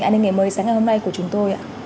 an ninh ngày mới sáng ngày hôm nay của chúng tôi ạ